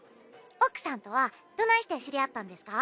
奥さんとはどないして知り合ったんですか？